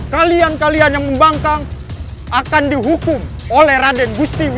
kalian kalian yang membangkang akan